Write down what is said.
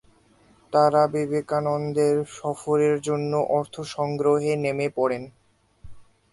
তারা বিবেকানন্দের সফরের জন্য অর্থ সংগ্রহে নেমে পড়েন।